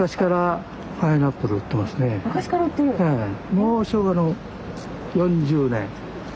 もう昭和の４０年。